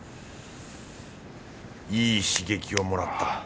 いい刺激をもらった。